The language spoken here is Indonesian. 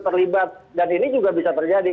terlibat dan ini juga bisa terjadi